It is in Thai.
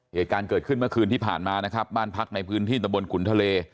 เหตุการณ์เกิดขึ้นเมื่อคืนที่ผ่านมานะครับบ้านพักในพื้นที่ตะบนขุนทะเล